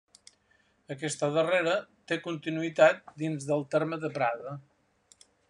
Aquesta darrera té continuïtat dins del terme de Prada.